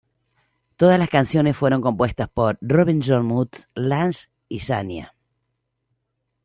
Todas las canciones fueron compuestas por Robert John "Mutt" Lange y Shania.